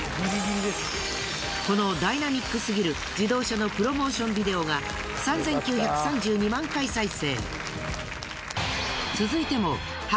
このダイナミックすぎる自動車のプロモーションビデオが３，９３２万回再生。